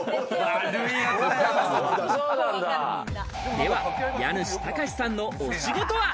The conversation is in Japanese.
では、家主・隆さんのお仕事は？